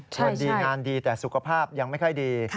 สวัสดีงานดีแต่สุขภาพยังไม่ค่อยดี